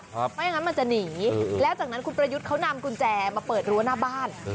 เพราะอย่างนั้นมันจะหนีแล้วจากนั้นคุณประยุทธ์เขานำกุญแจมาเปิดรั้วหน้าบ้าน